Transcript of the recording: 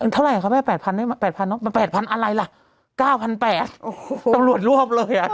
เท่าไหร่คะแม่๘๐๐๐อ๋อ๘๐๐๐เนอะ๘๐๐๐อะไรล่ะ๙๘๐๐ตำรวจรวบเลยอ่ะ